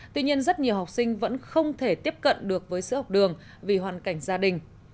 tuy nhiên rất nhiều học sinh vẫn không thể tiếp cận được với sữa học đường vì hoàn cảnh gia đình